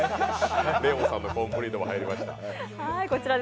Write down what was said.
レオンさんのコンプリートも入りました。